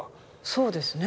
そうですね。